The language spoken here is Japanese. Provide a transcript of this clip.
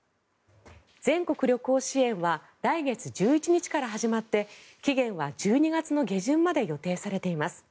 全国旅行支援は来月１１日から始まって期限は１２月の下旬まで予定されています。